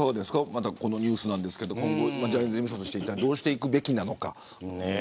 またこのニュースですがジャニーズ事務所としてどうしていくべきなのか。